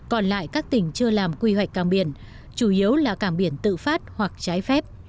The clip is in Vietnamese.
còn lại các tỉnh chưa làm quy hoạch cảng biển chủ yếu là cảng biển tự phát hoặc trái phép